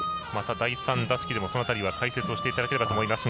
第３打席でもその辺りは解説をしていただければと思います。